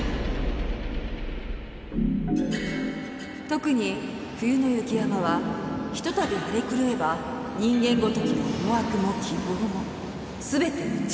特に冬の雪山はひとたび荒れ狂えば人間ごときの思惑も希望も全て打ち砕く。